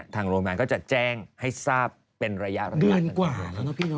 ทางโรงงานก็จะแจ้งให้ทราบเป็นระยะเดือนกว่าแล้วนะพี่น้อง